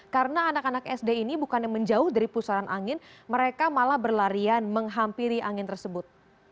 karena anak anak sd ini bukan menjauh dari pusaran angin mereka malah berlarian menghampiri angin tersebut